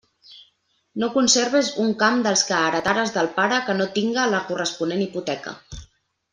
No conserves un camp dels que heretares del pare que no tinga la corresponent hipoteca.